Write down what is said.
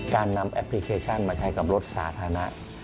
การนำแอปพลิเคชันมาใช้กับรถสาธารณะ